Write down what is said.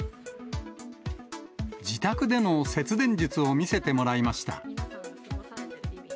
自宅での節電術を見せてもらいました。